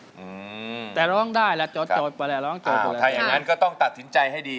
อืมแต่ร้องได้ล่ะจดจดไปล่ะร้องจดไปล่ะถ้าอย่างงั้นก็ต้องตัดสินใจให้ดี